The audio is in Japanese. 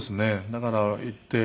だから行って。